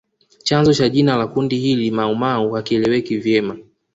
Chanzo cha jina la kundi hili Maumau hakieleweki vyema